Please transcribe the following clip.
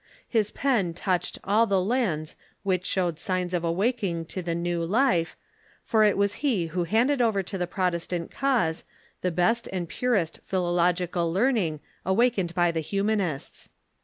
His pen touched all the lands which showed signs of awaking to the new life, for it was he who handed over to the Protestant cause the best and purest philological learning awakened by the Humanists.